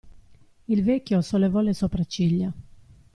Il vecchio sollevò le sopracciglia.